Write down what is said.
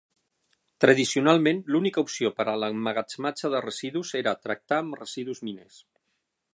Tradicionalment, l'única opció per a l'emmagatzematge de residus era tractar amb residus miners.